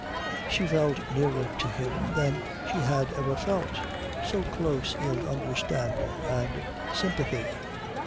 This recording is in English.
She felt nearer to him than she had ever felt, so close in understanding and sympathy.